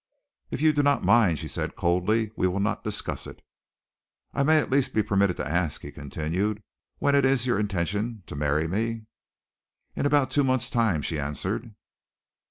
"If you do not mind," she said coldly, "we will not discuss it." "I may at least be permitted to ask," he continued, "when it is your intention to marry me?" "In about two months' time," she answered.